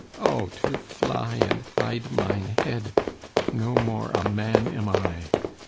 Oh, to fly And hide mine head! No more a man am I.